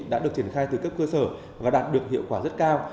đã được triển khai từ cấp cơ sở và đạt được hiệu quả rất cao